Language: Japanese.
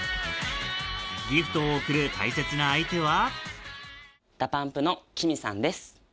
ギフトを贈る大切な相手はＤＡＰＵＭＰのＫＩＭＩさんです。